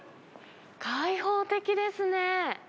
開放的ですね。